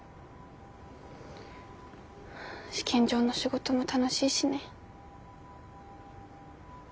試験場の仕事も楽しいしね。